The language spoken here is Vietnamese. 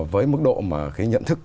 với mức độ mà cái nhận thức